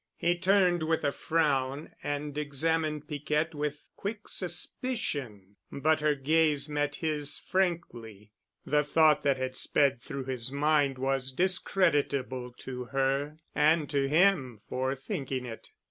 He turned with a frown and examined Piquette with quick suspicion, but her gaze met his frankly. The thought that had sped through his mind was discreditable to her and to him for thinking it.